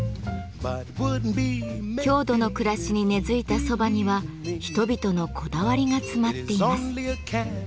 郷土の暮らしに根づいた蕎麦には人々のこだわりが詰まっています。